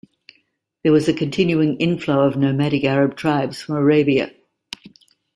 There was a continuing inflow of nomadic Arab tribes from Arabia.